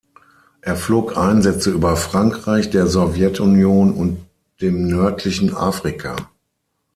Er flog Einsätze über Frankreich, der Sowjetunion und dem nördlichen Afrika.